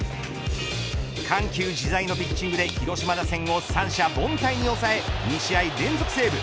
緩急自在なピッチングで広島打線を三者凡退に抑え２試合連続セーブ。